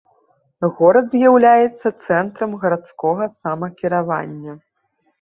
Горад з'яўляецца цэнтрам гарадскога самакіравання.